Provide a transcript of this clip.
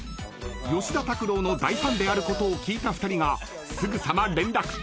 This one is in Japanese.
［吉田拓郎の大ファンであることを聞いた２人がすぐさま連絡。